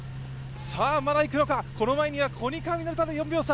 まだいくのか、この前にはコニカミノルタと４秒差。